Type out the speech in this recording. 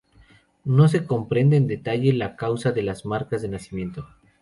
No se comprende en detalle la causa de las marcas de nacimiento.